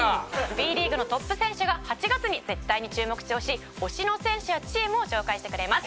Ｂリーグのトップ選手が８月に絶対に注目してほしい推しの選手やチームを紹介してくれます。